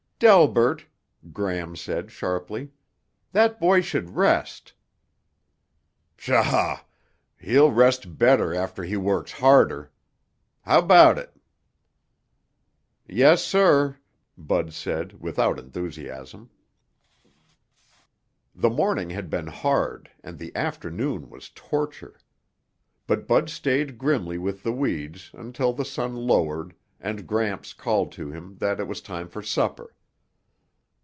"Delbert," Gram said sharply, "that boy should rest." "Pshaw. He'll rest better after he works harder. How 'bout it?" "Yes, sir," Bud said without enthusiasm. The morning had been hard and the afternoon was torture. But Bud stayed grimly with the weeds until the sun lowered and Gramps called to him that it was time for supper.